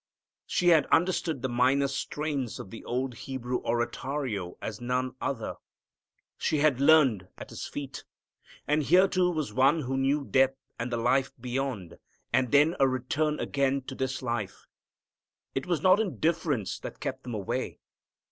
She had understood the minor strains of the old Hebrew oratorio as none other. She had learned at His feet. And here, too, was one who knew death, and the life beyond, and then a return again to this life. It was not indifference that kept them away.